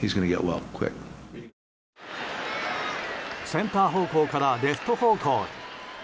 センター方向からレフト方向に。